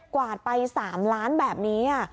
วาดไป๓ล้านแบบนี้